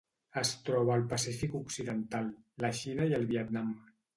Es troba al Pacífic occidental: la Xina i el Vietnam.